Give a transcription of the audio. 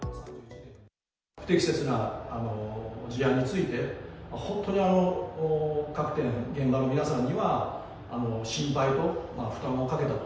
不適切な事案について、本当に各店現場の皆さんには心配と負担をかけたと。